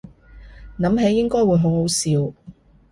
諗起應該會好好笑